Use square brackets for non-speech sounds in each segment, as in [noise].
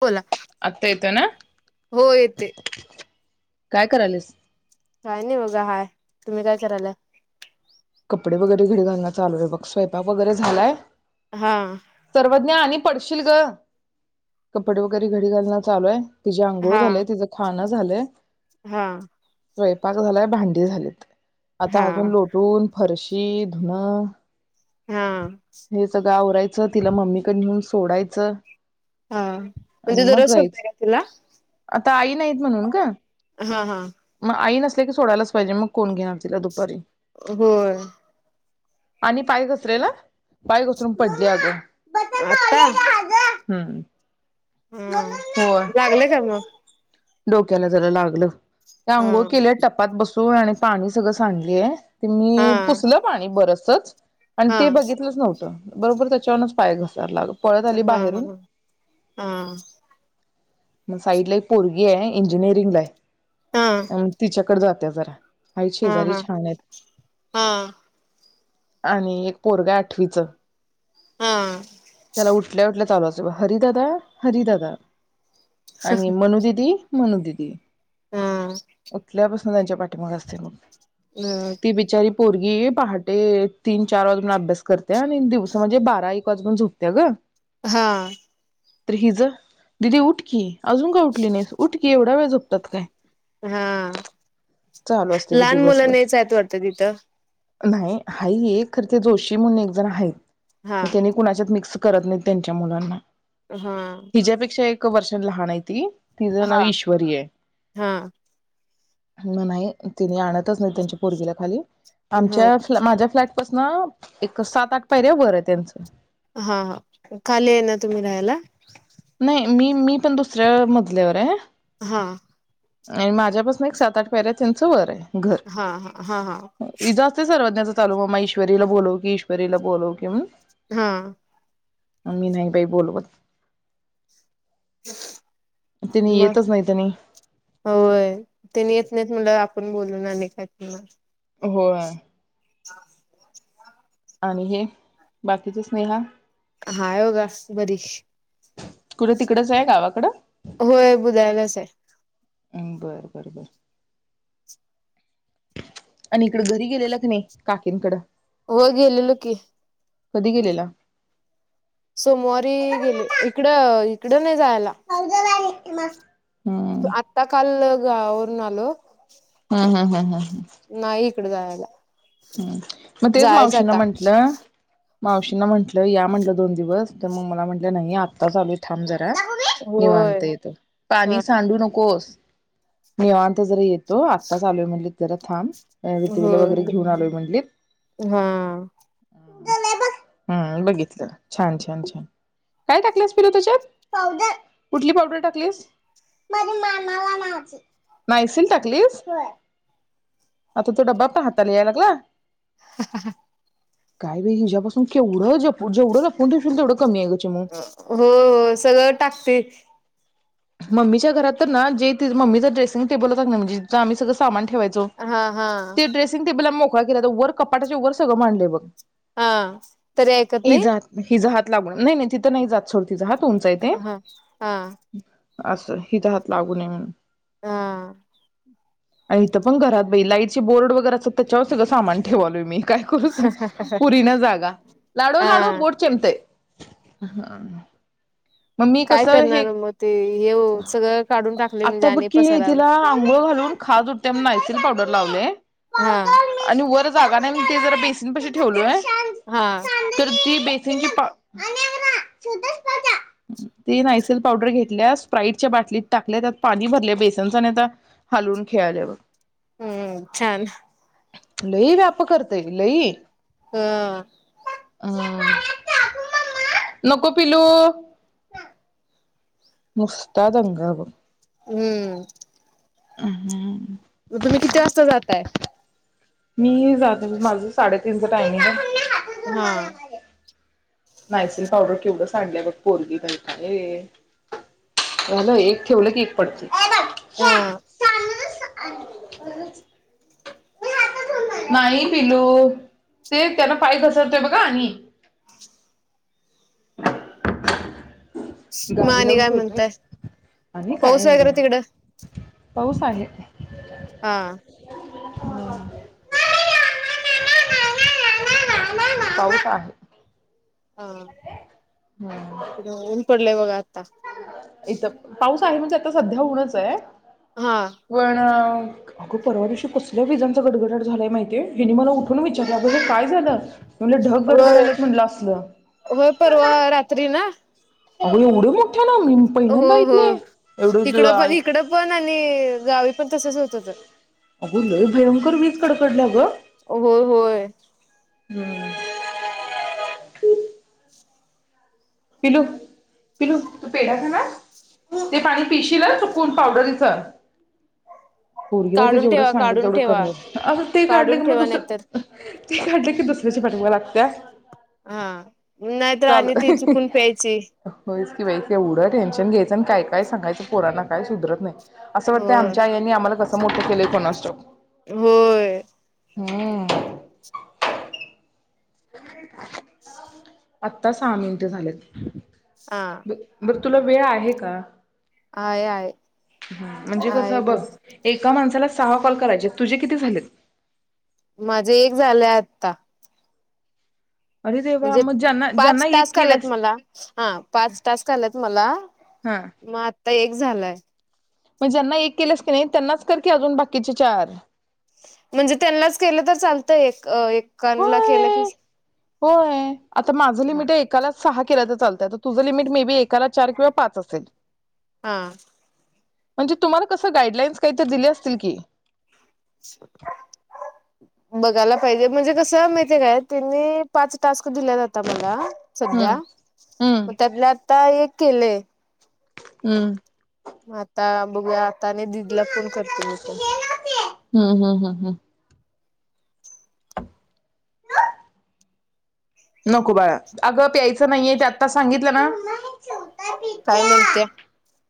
बोला आत्ता येतोय ना? हो येतेय काय करालीस? काय नाही बघा हाय, तुम्ही काय करायलय? कपडे वगैरे घडी घालंन चालू आहे बग स्वयंपाक वैगरे झालाय हा सर्वज्ञ आणि पडशील ग कपडे वगैरे घडी घालणं चालू आहे. तिज आंघोळ हा झालंय तिचं खान झालंय हा स्वयंपाक झालाय, भांडी झालीत आता हा अजून लोटून, फरशी धुन हा हे सगळं आवरायचं तिला मम्मीकड नेऊन सोडायचं हा म्हणजे दररोज सोडतय का तिला ताई नाहीत म्हणून ग हा हा तिथं सोडायच पाहिजे मग कोण घेणार तिला दुपारी होय. आणि पाय घसरेल अ पाय घसरून पडली अगं आता? हम्म हा होय लागलंय का मग? डोक्याला जरा लागलं त्या हा आंघोळ केल्या टपात बसून हो आणि पाणी सगळं सांडली ये - हा तिनी पुसलं पाणी बरच असच आणि हा ते बघितलंच नव्हतं... बरोबर त्याच्यावरूनच पाय घसरायला अग हा हा हा मग साईडला ही पुल ये हे इंजिनीिरंगला ये हा हा आणि तिच्याकडे जाते [unintelligible] आहेत शेजारी हा छान आहेत. हा आणि एक पोरगा आहे आठवीच त्याला उठल्या उठल्या चालू असत हरिदादा हरिदादा आणि मनू दी ती मनू दिदी हा उठल्यापासून त्यांच्या पाठीमाग असते मग ती बिचारी पोरगी पहाटे तीन चार वाजून अभ्यास करते्य आणि दिवसा म्हणजे बारा एक वाजता झोपत्या ग हा तर हिज दिदी उठ की अजून का उठली नाही उठकी, एवढ्या वेळ झोपतात काय. हा चालू असते ब लहान मुलं नाहीच दिवसभर आहेत वाटतं तिथं नाही हाहे एक खर ते जोशी म्हणून एक जण हाहेत. हा म त्यानी कुणाच्यात मिक्स करत नाहीत त्यांच्या मुलांना हा क वर्ष लहान आहे ती तिज नाव हा ईश्वरी हे हा म नाही तिने आणत. तसं नही त्यांची पोरगी ला खाली हो आमच्या फ्लॅ माझ्या फ्लॅट बस ना हा हा खाली ये ना तुम्ही राहयला [inaudible] नाही मी - मी पण दुसऱ्या मजल्यावर हे. हा आणि माझ्यापासन एक सात आठ पायऱ्या त्यांचं वर हे घर हा हा हा हा व्हिजा असतोय सर्व त्याजा परवा माहेश्वरी ला बोलव की ईश्वरी ला बोलव की म्हण हा आ मी नाही बाई बोलवत [inaudible] त्यांनी म येतच नाही त्यांनी होय त्यांनी येत नाहीत म्हणलं. बोलून अनेक [unintelligible] होय आणि हे बाकीचे स्नेहा हाय बगा बरी. कुड तिकडच हाय गावाकडं होय बुधायलाच आहे अम बर बर बर आणि इकड घरी गेलेला की नाही काकीनकडं हो गेलेलो की कधी गेलेला. सोमवारी गेले एक कड इकड नाही. जायला [inaudible] आत्ता काल गावावरून आलो. हं हं हं हं नाईक कड जायाला हम मग तेच मावशी ना म्हंटलं मावशींना म्हंटलं या म्हटलं दोन दिवस तर मग मला म्हटल्या नाही आताचआलूय थांम ज होय निवांत येतो. हा पाणी सांडू नकोस निवांत जरा येत तो आत्ता च आलोय म्हणलीत. जराथाम काय होती हो मूल वैगरे? घेऊन आलोय म्हणलीत. हा अ बघितलं छान छान छान काय टाकलस पिलू त्याच्यात? कुठली पावडर टाकलीस? नाइसिल टाकलीस. आता तो डबा पाह त्यांना यायलागला. [inaudible] काय ग हीच्या पासून केवढं जपून जेवढं जपून ठेवशील तेवढं कमी आहे ग. चिमू होय होय सगळं टाकते मम्मीच्या घरात तर ना जे ती मम्मी च ड्रेसिंग टेबल होता कणी म्हणजे जे आम्ही सगळ सामान ठेवयचो हा हा ते ड्रेसिंग टेबल आमी मो काय तर अता वर कपाटाचे वर सगळं मांडलय बघ. आ तरी आईकत नई. लागून नाही नही तिथं नाही जात सोड तिचा हात उंच आहे ते अह हा असं हि चा हात लागू नये म्हणून. हा आण ईथं पण घरात बई लाईट चे बोर्ड वगैरे असत्यात त्याच्यावर सगळं सामान ठेवालोय मी. काय करू सांग पुरीना जागा. लाडू लाडू हा बोट चेंबतय. [inaudible] मग मी काय कस हे. करणार मग ते हे सगळं काढून टाकले म्हणजे आता बघ आणि की पसारा तिला अंघोळ घालून खाज उठत्या म्हणून नाइसिल पावडर लावले हा आणि वर जागा नही मी ते जरा बेसिंग पशी ठेवलोय हा तर ती बेसिंग ची पा [unintelligible] ती नायसील पावडर घेतल्या. स्प्राईटच्या बाटलीत टाकल्या त्यात पाणी भरल्या बेसिंगच आणि आता हालून खेळाल्या बग हम्म छान ते लई ह ह नको पिलू. नुसता दंगा बग. हम्म अ ह तुम्ही किती वाजता जाताय? मी जात होते [unintelligible] माझं साडे तिज टायमींग हा [inaudible] नायसिल पावडर केव्हढं साडलीया बघ पोरगी तरी काय [inaudible] झालं एक ठेवलं की पडतय हा [unintelligible] [unintelligible] नाही पिल्लू ते तेनं पाय घसरतय बघ आणि मग गाडी आणि लावून काय ठेवतोय म्हणताय? आणि काय पाऊस नाही वगैरे बघा तिकडं पाऊस आहे [unintelligible] हा [inaudible] [unintelligible] पाऊसआहे हा इकडं ऊन पडलय बघा इथ पाऊस काय म्हणजे आता सध्या ऊनचं हाय हा [unintelligible] अगं परवादिवशी कसल्या विजांचा गडगडाट झालाय माहितीय हिनी मला उठून विचारलंय बघ काय झालं? [unintelligible] व्हय गडगडालेत म्हणलं असलं व्हय परवा रात्री ना, अग एवढं मग हो हो एवढं तू इकडं पण इकड पण आणि गावी पण तसच होत होतं अगं! लय भयंकर वीज कडकडल्या ग हो होय हम्म [inaudible] पिल्लू, पिल्लू तू पेढा खानार ते पाणी पिशील अ चुकून पावडरीच पोरगीला तर काढून जेवढं ठेवा सांगेल काढून तेवढं ठेवा कमी अं ते काढलं काढून की मग ठेवा दुस नाही तर ते काढल की दुसऱ्याच्या पाठीमाग लागतीयां हा नाहीतर आणि ते चुकून प्यायची व्हायचं की बाई केव्हढं टेन्शन घ्यायचं? आणि काय? काय? सांगायच पोरांना काय? सुधरत नाही. असं वाटतय होय आमच्या आयांनी आम्हाला कस समोरच केलय कोणास ठाऊक? होय... हम्म आत्ता सहा मिनट झालेत हा बर तुला वेळ आहे का? आहे आहे ह म्हणजे [unintelligible] कस आहे बघ ब एक एका माणसाला सहा कॉल करायचे तुझे किती झालेत? माझे एक झालं आता अरे देवा म्हणजे मग ज्यांना ज्यांना पाच एक टास्क आलात केल्यास मला हा पाच त आलात मला हा मग आता एक झालाय मग ज्यांना एक केलेस की नाही त्यांनाच कर की अजून बाकीचे चार म्हणजे त्यांनाच केलं तर चालतय एक अ एकांना केलं की होय. होय आता माझं हा लिमिट एकालाच सहा केल्या तर चालतं तुझं लिमिट मे बी एकाला चार किंवा पाच असेल? हा म्हणजे तुम्हाला कस गाईडलाईन्स काहीतरी दिले असतील की [unintelligible] बघायला पाहिजे म्हणजे कस माहित हाय काय त्यांनी पाच टास दिल्यात आता मला हम्म सध्या हम्म मग त्यात आता एक केले. हम्म आता बुगयात ताने दिदीला फोन करतो मी पण हम्म हम्म हम्म हम्म. नको बाळा अगं प्यायचं नाहीये ते आत्ता सांगितलं ना [unintelligible] [inaudible] काय म्हणत्या?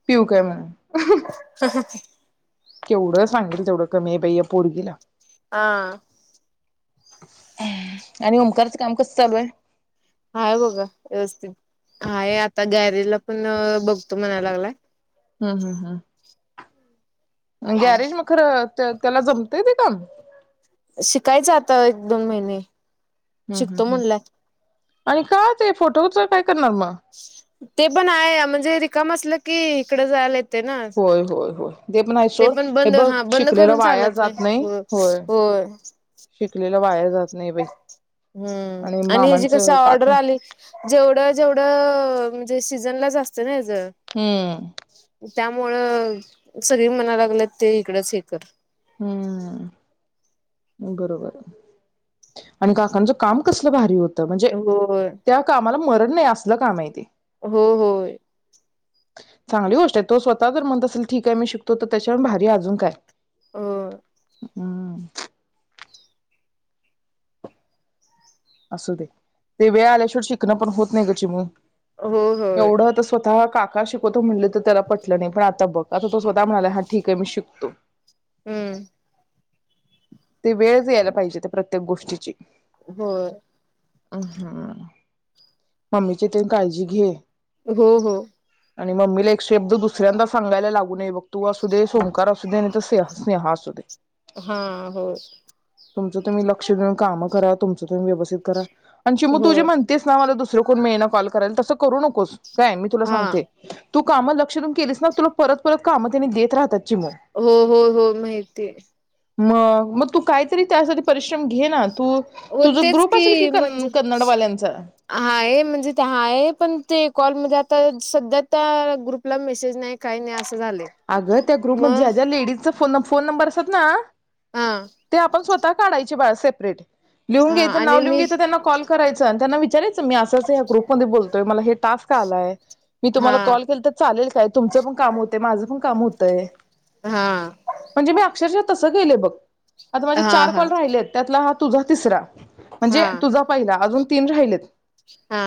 पिऊ काय म्हणून? [inaudible] हं हं केवढं सांगितलं तेवढं कमी हाय बाई या पोरगीला. हा [inaudible] आणि ओमकारचं काम कसं चालू आहे? हाय बघा व्यवस्थित हाय आता गॅरेजला पण.. बघ [inaudible] तो म्हणाय लागलाय. हम्म हम्म गॅरेज मग खरं त्याला जमतय ते काम? शिकायचं आता एक दोन महिने हम्म शिकतो हम्म म्हणलाय आणि काय ते फोटोच काय. करणार मग? ते पण आहे. म्हणजे रिकाम असल. की इकडें जायालयत होय होय होय ते प नाही सोड पण हे बंद बघ हा बंद शिकलेलं करून वाया चालत जात नाही हो होय शिकले वाया जात नाही बाई हम्म आणि ह्याजी कस मामांचं ऑर्डर काका आली जेवढ जेवढ म्हणजे सीझनला [unintelligible] हम्म त्यामुळं सगळी म्हणायला लागल्यात ते इकडंच हे कर हम्म बरोबर आणि काकांच काम कसलं भारी होत. त म्हणजे होय, त्या कामाला मर नाही असलं काम आहे ते हो होय चांगली गोष्ट आहे तो स्वतः जर म्हणत असेल ठीक आहे मी शिकतो तर त्याच्यावर भारी अजून काय.. होय हम्म असुदे ते वेळ आल्याशिवाय शिकणं पण होत नाही गं चिमु हो होय, एवढं तर स्वतः का का शिकवतो म्हणले तर त्याला पटलं नाही पण आता बघ आता तो स्वतः म्हणाला हा ठीक आहे मी शिकतो..... हम्म ते वेळच यायला पाहिजे त्या प्रत्येक गोष्टीची होय आम् हम्म... मम्मीची तेन काळजी घे..... हो हो आणि मम्मीला एक शब्द दुसऱ्यांदा सांगायला लागू नये बग तू असू दे, ओंकार असू दे, नाहीतर स्नेहा असू दे. हा हो तुमचं तुम्ही लक्ष देऊन काम करा, तुमचं तुमी व्यवस्थित करा. आणि चिमू तु जे होय, म्हणतेस ना मला दु दुसरं कोण मिळेना कॉल करायल तसं करू नकोस.. काय मी तुला हा, सांगते. तू कामं लक्ष देऊन केलीस ना तुला परत परत कामं त्यांनी देत राहत्यात. हो हो हो माहितीये मग मग तू काहीतरी त्यासाठी परिश्रम घे ना तू हो तुझं तेच ग्रुप असेल की कन म्हणजे कन्नडवाल्यांचा हाय म्हणजे ते हाय पण ते कॉलमध्ये आता सध्या त्या ग्रुपला मेसेज नाही काही नाही अस अगं त्या ग्रुपमधे ज्या ज्या लेडीजच फोन नं फोन नंबर असतात ना हा ते आपण स्व ता काढायची बाळ सेपरेट लिहून हा घ्यायंच आणि नाव लिहून मी घ्यायंच त्यांना कॉल करायचा त्यांना विचारायच.. मी अस ग्रुप बोलतोय मला हे टास्क आलाय मी हा तुम्हा कॉल के तर चालतंय क तुमचं काम होत माझ पण.......... काम होतयं हा म्हणजे मी अक्षरशा तसं सं गेलं बघ आता माझे हा चार हा कॉल राहिलेत त्यातला हा तुझा तिसरा म्हणजे हा तुझा पहिला अजून तीन राहिलेत. हा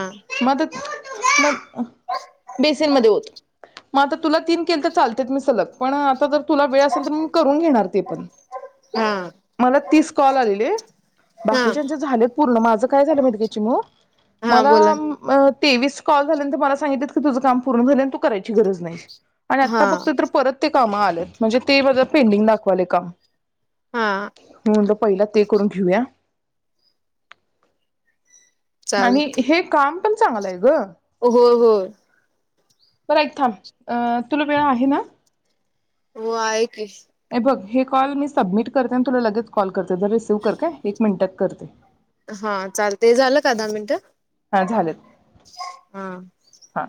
बेसीन मध्ये ओत म आता तुला तीन केल तर चाल मी सलग पण आता जर.... तुला वेळ असेल तर मी करून घेणार ते पण हा मला तीस कॉल आलेले हा बाकीच्याचे झाले पूर्ण माझ काय झालं माहिते का चीमू हा बोला की मला तेवीस कॉल झाल्यांत तर मला सांगितत की तुझं काम पूर्ण झालं आणि तू करायची गरज नाही आणि आत्ता हा फ ते तर परत ते काम आल्यात म्हणजे ते माझा पेंडिंग दाखवालय काम हा म्हणल पहिला ते करून घेऊया. आणि चालत हे काम पण चांगलाय ग होय होय बरं ऐक थांब तुला वेळ आहे ना? वाई येबघ हे... कॉल मी सबमिट करते न तुला लगेच कॉल करते तर रिसिव्ह कर काय एक मिंनिटात करते. हा चाल ते झालं का दहा मिनट हा झालेत हा हा